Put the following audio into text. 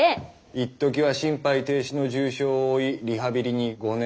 一時は心肺停止の重傷を負いリハビリに５年。